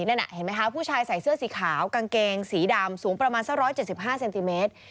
นั่นเห็นไหมคะผู้ชายใส่เสื้อสีขาวกางเกงสีดำสูงประมาณสัก๑๗๕เซนติเมตร